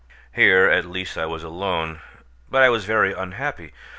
Here at least I was alone, but I was very unhappy.